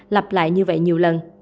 lặp lại như vậy nhiều lần